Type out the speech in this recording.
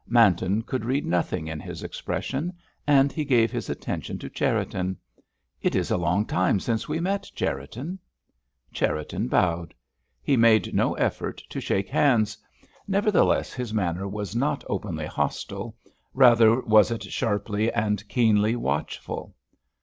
Manton could read nothing in his expression, and he gave his attention to Cherriton. "It is a long time since we met, Cherriton!" Cherriton bowed. He made no effort to shake hands; nevertheless his manner was not openly hostile, rather was it sharply and keenly watchful.